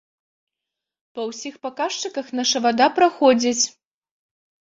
Па ўсіх паказчыках наша вада праходзіць.